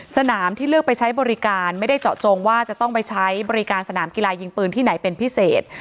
สนามที่เลือกไปใช้บริการไม่ได้เจาะจงว่าจะต้องไปใช้บริการสนามกีฬายิงปืนที่ไหนเป็นพิเศษ